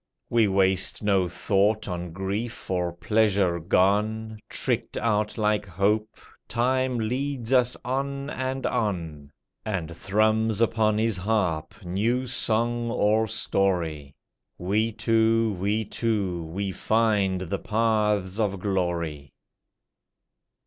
We waste no thought on grief or pleasure gone; Tricked out like hope, time leads us on and on, And thrums upon his harp new song or story. We two, we two, we find the paths of glory.